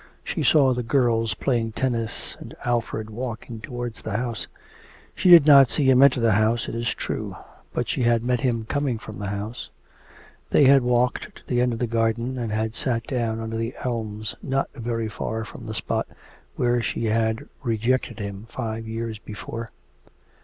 She saw the girls playing tennis, and Alfred walking towards the house.... She did not see him enter the house, it is true; but she had met him coming from the house. They had walked to the end of the garden, and had sat down under the elms not very far from the spot where she had rejected him five years before.